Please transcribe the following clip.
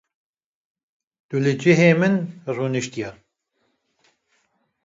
Tu li cihê min rûniştiye